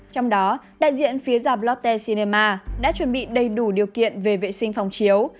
trong đó đại diện phía giảm lotte cinema đã chuẩn bị đầy đủ điều kiện về vệ sinh phòng chiếu